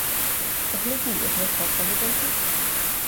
Паглядзі, я знайшла самы даўгі!